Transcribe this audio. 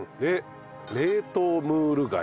冷凍ムール貝。